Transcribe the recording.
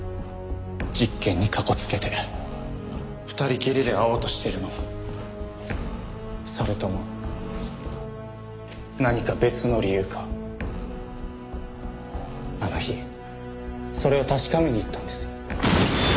実験にかこつけて２人きりで会おうとしているのかそれとも何か別の理由かあの日それを確かめに行ったんです。